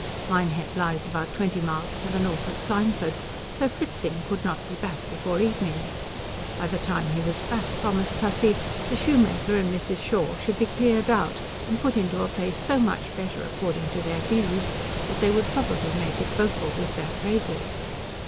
Minehead lies about twenty miles to the north of Symford, so Fritzing could not be back before evening. By the time he was back, promised Tussie, the shoemaker and Mrs. Shaw should be cleared out and put into a place so much better according to their views that they would probably make it vocal with their praises.